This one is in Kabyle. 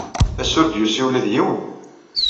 Ass-a, ur d-yusi ula d yiwen.